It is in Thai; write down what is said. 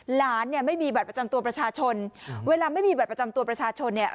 หลานเนี่ยไม่มีบัตรประจำตัวประชาชนเวลาไม่มีบัตรประจำตัวประชาชนเนี่ย